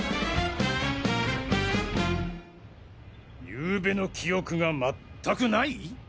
ゆうべの記憶が全くない？